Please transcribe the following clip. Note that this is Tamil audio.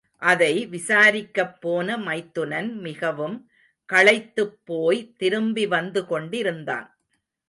அதை விசாரிக்கப் போன மைத்துனன் மிகவும் களைத்துப்போய் திரும்பிவந்து கொண்டிருந்தான்.